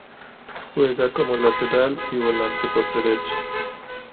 Juega como lateral y volante por derecha.